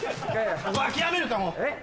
諦めるかもう。